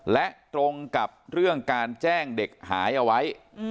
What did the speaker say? และตรงกับเรื่องการแจ้งเด็กหายเอาไว้